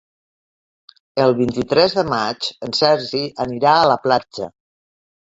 El vint-i-tres de maig en Sergi anirà a la platja.